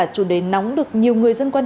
bốn triệu một đôi